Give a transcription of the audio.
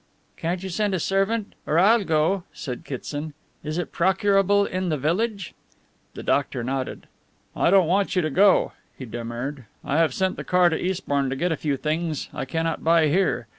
"Can't you send a servant or I'll go," said Kitson. "Is it procurable in the village?" The doctor nodded. "I don't want you to go," he demurred. "I have sent the car to Eastbourne to get a few things I cannot buy here.